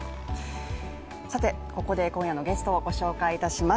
ここで今夜のゲストをご紹介します。